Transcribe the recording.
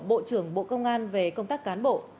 bộ trưởng bộ công an về công tác cán bộ